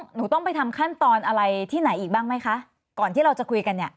หนูต้องไปทำขั้นตอนอะไรที่ไหนอีกบ้างไหมคะก่อนที่เราจะคุยกันเนี่ย